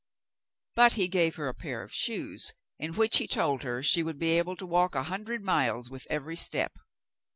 But he gave her a pair of shoes, in which, he told her, she would be able to walk a hundred miles with every step.